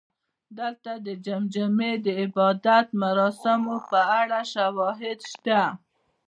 دلته د جمجمې د عبادت مراسمو په اړه شواهد شته